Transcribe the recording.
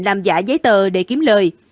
làm giả giấy tờ để kiếm lời